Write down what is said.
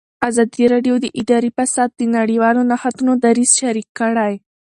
ازادي راډیو د اداري فساد د نړیوالو نهادونو دریځ شریک کړی.